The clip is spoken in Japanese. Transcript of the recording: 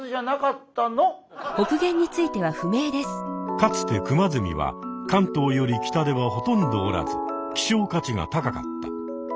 かつてクマゼミは関東より北ではほとんどおらず希少価値が高かった。